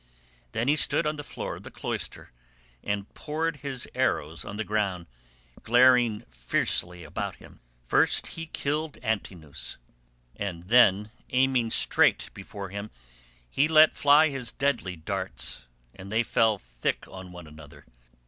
Then he stood on the floor of the cloister and poured his arrows on the ground, glaring fiercely about him. First he killed Antinous, and then, aiming straight before him, he let fly his deadly darts and they fell thick on one another.